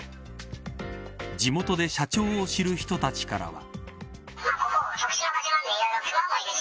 地元で社長を知る人たちからは。